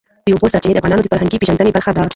د اوبو سرچینې د افغانانو د فرهنګي پیژندنې برخه ده.